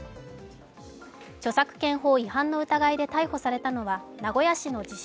著作権法違反の疑いで逮捕されたのは名古屋市の自称